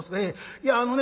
いやあのね